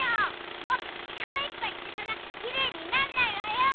もっとちからいっぱいけさなきゃきれいになんないわよ！